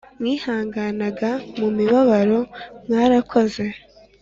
mwihanganaga mu mibabaro mwarakoze